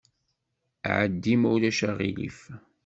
Ɛeddi, ma ulac aɣilif.